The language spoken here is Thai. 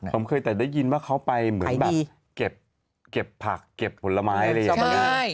ผมเคยแต่ได้ยินว่าเขาไปเหมือนแบบเก็บผักเก็บผลไม้อะไรอย่างนี้